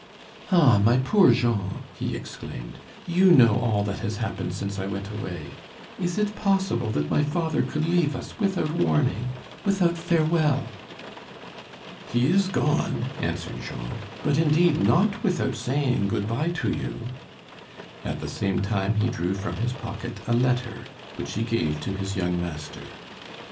"Ah! my poor Jean!" he exclaimed, "you know all that has happened since I went away. Is it possible that my father could leave us without warning, without farewell?" "He is gone," answered Jean, "but indeed not without saying good bye to you." At the same time he drew from his pocket a letter, which he gave to his young master.